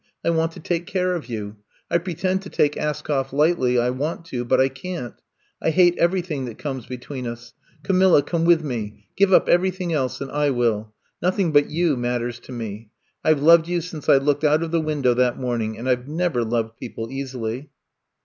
I want to take care of you. I pretend to take Askoflf lightly — ^I want to — ^but I can 't. I hate everything that comes between us. Camilla — come with me! Give up every thing else and I will. Nothing but you mat ters to me. I Ve loved you since I looked out of the window that morning — and I Ve never loved people easily.